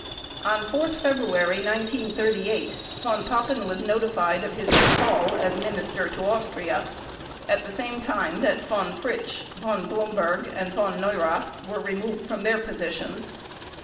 On 4 February 1938 Von Papen was notified of his recall as Minister to Austria, at the same time that Von Fritsch, Von Blomberg, and Von Neurath were removed from their positions.